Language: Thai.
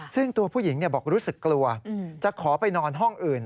ซึ่งตัวผู้หญิงบอกรู้สึกกลัวจะขอไปนอนห้องอื่น